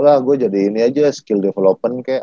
pokoknya gua jadi ini aja skill development kek